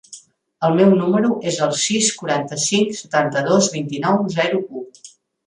El meu número es el sis, quaranta-cinc, setanta-dos, vint-i-nou, zero, u.